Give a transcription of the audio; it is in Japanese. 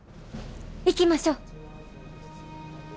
行きましょう。